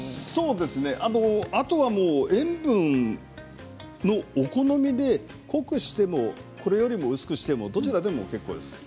あとは塩分の好みで濃くしてもこれより薄くしてもどちらでも結構です。